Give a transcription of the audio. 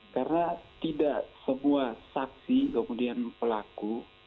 karena tidak semua saksi kemudian pelaku